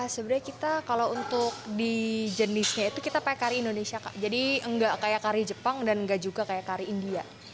sebenarnya kita kalau untuk di jenisnya itu kita pakai kari indonesia kak jadi nggak kayak kari jepang dan nggak juga kayak kari india